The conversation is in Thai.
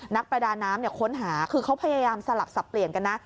นักประดาน้ำค้นหาคือเขาพยายามสลับสับเปลี่ยนกันนะ